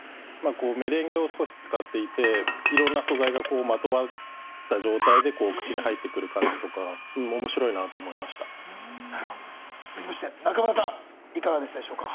メレンゲを少し使っていて色んな素材がまとわった状態で口に入ってくる感じとか面白いなと思いましたなるほど続きまして中村さんいかがでしたでしょうか？